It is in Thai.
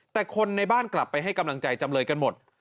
แต่คนในบ้านกลับไปให้กำลังใจจำเลยกันหมด